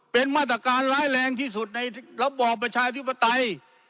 เป็นมาตรการร้ายแรงที่สุดในระบอบประชาธิปไตย